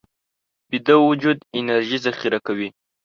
ویده وجود انرژي ذخیره کوي